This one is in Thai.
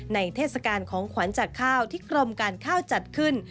เทศกาลของขวัญจากข้าวที่กรมการข้าวจัดขึ้น